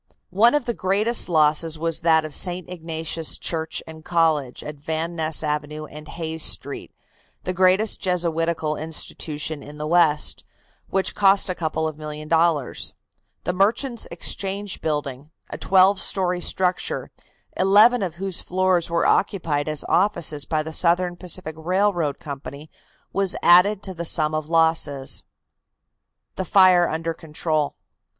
One of the great losses was that of St. Ignatius' Church and College, at Van Ness Avenue and Hayes Street, the greatest Jesuitical institution in the west, which cost a couple of millions of dollars. The Merchants' Exchange building, a twelve story structure, eleven of whose floors were occupied as offices by the Southern Pacific Railroad Company, was added to the sum of losses. THE FIRE UNDER CONTROL.